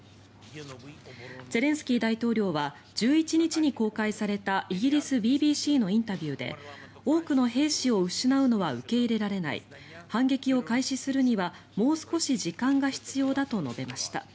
ゼレンスキー大統領は１１日に公開されたイギリスＢＢＣのインタビューで多くの兵士を失うのは受け入れられない反撃を開始するにはもう少し時間が必要だと述べました。